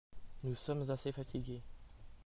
Nous sommes assez fatigués.